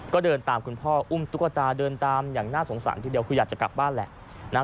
ก็เดินตามคุณพ่ออุ้มตุ๊กตาเดินตามอย่างน่าสงสารทีเดียวคืออยากจะกลับบ้านแหละ